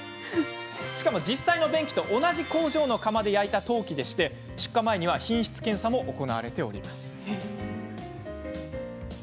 実際の便器と同じ工場の窯で焼いた陶器で出荷前には品質検査も行われているんです。